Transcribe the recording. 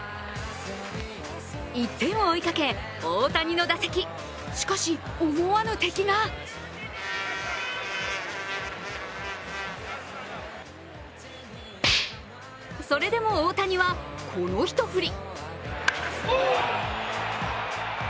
１点を追いかけ、大谷の打席しかし思わぬ敵がそれでも大谷は、この一振り。